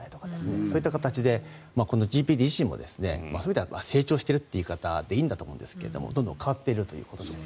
そういった形でこのチャットＧＰＴ自身も成長しているという言い方でいいんだと思いますがどんどん変わっているということです。